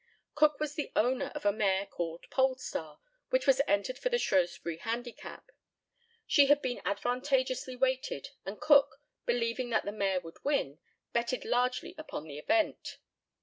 Cook was the owner of a mare called Polestar, which was entered for the Shrewsbury Handicap. She had been advantageously weighted, and Cook, believing that the mare would win, betted largely upon the event.